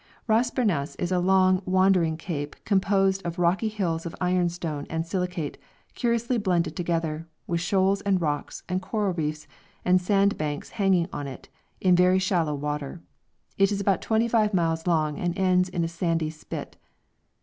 Ras Bernas is a long, wandering cape composed of rocky hills of ironstone and silicate curiously blended together, with shoals and rocks, and coral reefs, and sandbanks hanging on to it in very shallow water. It is about twenty five miles long, and ends in a sandy spit.